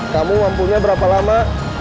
kamu mampunya berapa lama